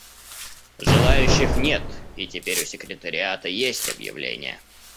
Желающих нет, и теперь у секретариата есть объявления.